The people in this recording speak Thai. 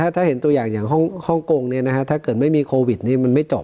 ถ้าเห็นตัวอย่างห้องโกงถ้าเกิดไม่มีโควิด๑๙มันไม่จบ